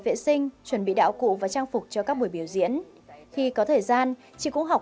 vệ sinh chuẩn bị đạo cụ và trang phục cho các buổi biểu diễn khi có thời gian chị cũng học